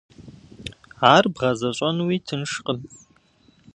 Ар бгъэзэщӏэнуи тыншкъым.